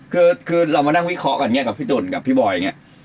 คือเรามานั่งวิเคราะห์กับพี่ตุ๋นกับพี่บอยล์